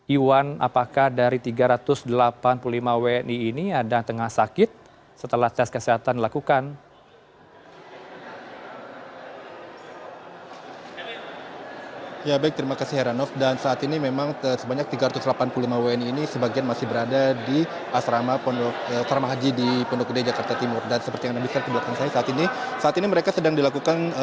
iwan apakah dari tiga ratus delapan puluh lima wni ini ada yang tengah sakit setelah tes kesehatan dilakukan